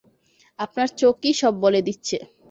আপনার চোখই সব বলে দিচ্ছে।